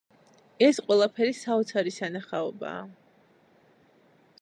ეს ყველაფერი საოცარი სანახაობაა.